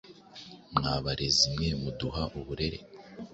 Mwa barezi mwe muduha uburere